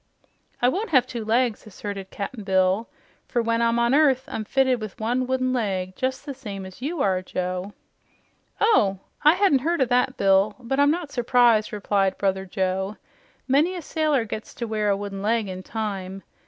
"I won't have two legs," asserted Cap'n Bill, "for when I'm on earth I'm fitted with one wooden leg, jes' the same as you are, Joe." "Oh, I hadn't heard o' that, Bill, but I'm not surprised," replied Brother Joe. "Many a sailor gets to wear a wooden leg in time.